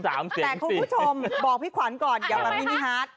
แต่คุณผู้ชมบอกพี่ขวัญก่อนอย่ามามินิฮาร์ด